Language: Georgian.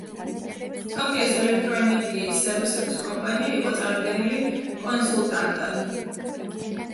ტოკიოს ელექტროენერგიის სერვისების კომპანია იყო წარდგენილი კონსულტანტად.